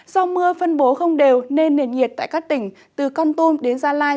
do mưa phân bố không đều nên nền nhiệt tại các tỉnh từ con tum đến gia lai